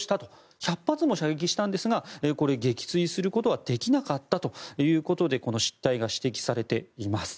１００発もしたんですがこれ、撃墜することはできなかったということで失態が指摘されています。